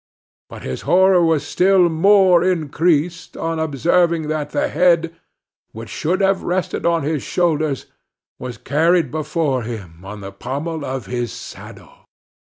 but his horror was still more increased on observing that the head, which should have rested on his shoulders, was carried before him on the pommel of his saddle!